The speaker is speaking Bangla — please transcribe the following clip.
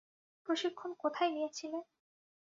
প্রশিক্ষণ কোথায় নিয়েছিলে?